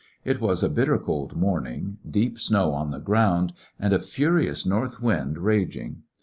It was a bitter cold morning, deep snow on the ground, and a furious north wind raging.